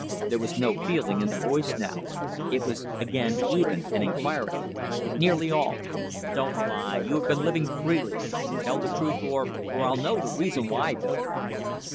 There was no feeling in the voice now; it was again even and inquiring. "Nearly all." "Don't lie. You've been living freely. Tell the truth, or or I'll know the reason why, Billy."